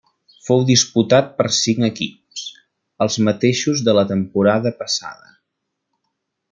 Fou disputat per cinc equips, els mateixos de la temporada passada.